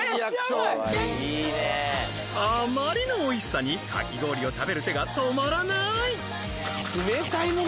あまりのおいしさにかき氷を食べる手が止まらない冷たいもの